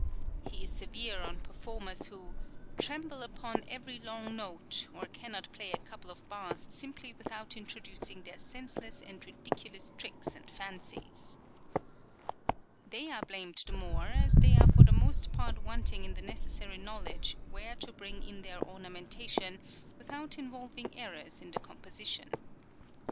(p. 107.)[10019] He is severe on performers who "tremble upon every long note, or cannot play a couple of bars simply without introducing their senseless and ridiculous tricks and fancies" (p. 50). They are blamed the more as they are for the most part wanting in the necessary knowledge where to bring in their ornamentation without involving errors in the composition (pp. 209, 195).